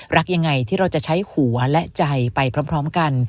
รักยังไงที่เราจะใช้หัวและใจไปพร้อมกัน